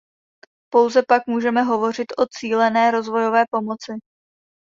Pouze pak můžeme hovořit o cílené rozvojové pomoci.